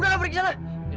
udah lo pergi sana